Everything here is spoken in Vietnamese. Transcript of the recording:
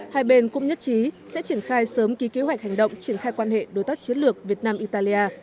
hai bên cũng nhất trí sẽ triển khai sớm ký kế hoạch hành động triển khai quan hệ đối tác chiến lược việt nam italia